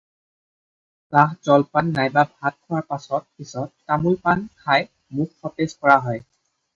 চাহ, জলপান নাইবা ভাত খোৱাৰ পাছত পিছত তামোল-পাণ খাই মুখ সতেজ কৰা হয়।